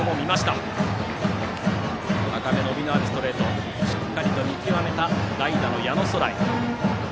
高め、伸びのあるストレートもしっかりと見極めた代打の矢野壮頼。